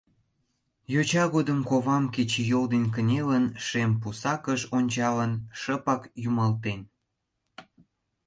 Йоча годым ковам, Кечыйол ден кынелын, Шем пусакыш ончалын, Шыпак юмылтен.